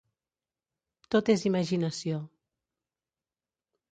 Tot és imaginació.